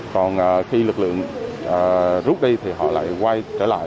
còn khi lực lượng rút đi thì họ lại quay trở lại